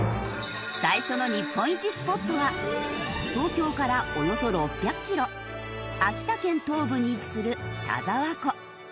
最初の日本一スポットは東京からおよそ６００キロ秋田県東部に位置する田沢湖。